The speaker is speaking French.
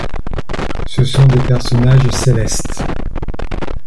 Ce sont des personnages célestes.